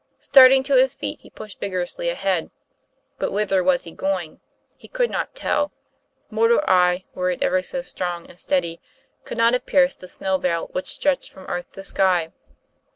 Starting to his feet, he pushed vigor ously ahead. But whither was he going? He could not tell; mortal eye, were it ever so strong and steady, could not have pierced the snow veil which stretched from earth to sky.